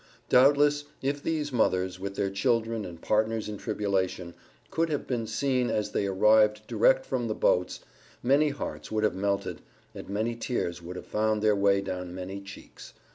Doubtless, if these mothers, with their children and partners in tribulation, could have been seen as they arrived direct from the boats, many hearts would have melted, and many tears would have found their way down many cheeks.